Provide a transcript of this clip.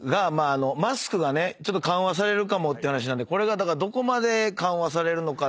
マスクがねちょっと緩和されるかもって話なんでどこまで緩和されるのか。